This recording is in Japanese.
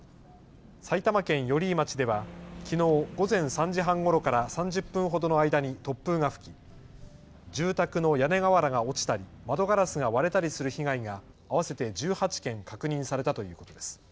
埼玉県寄居町ではきのう午前３時半ごろから３０分ほどの間に突風が吹き住宅の屋根瓦が落ちたり窓ガラスが割れたりする被害が合わせて１８件確認されたということです。